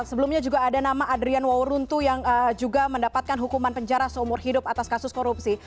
sebelumnya juga ada nama adrian wauruntu yang juga mendapatkan hukuman penjara seumur hidup atas kasus korupsi